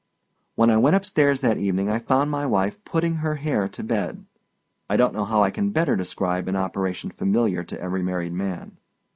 When I went upstairs that evening, I found my wife putting her hair to bed—I don't know how I can better describe an operation familiar to every married man.